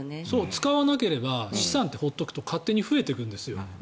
使わなければ資産って放っておくと勝手に増えてくんですよ。